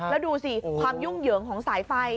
แล้วดูสิความยุ่งเหยิงของสายไฟ